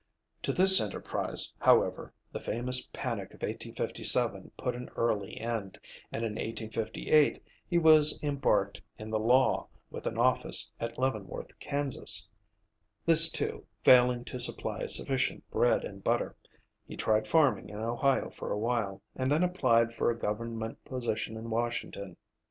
To this enterprise, however, the famous panic of 1857 put an early end, and in 1858 he was embarked in the law, with an office at Leavenworth, Kan. This, too, failing to supply sufficient bread and butter, he tried farming in Ohio for a while, and then applied for a government position in Washington.